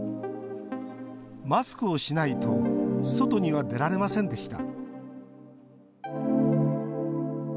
マスクをしないと外には出られませんでした